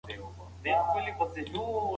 په کوچني لوښي کې لږ شنه سابه ښکاري.